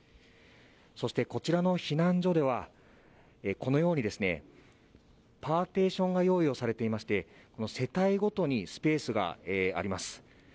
そして、こちらの避難所ではこのように、パーテーションが用意されていまして、世帯ごとにスペースがあります。